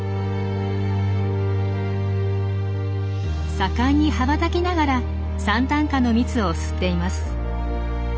盛んに羽ばたきながらサンタンカの蜜を吸っています。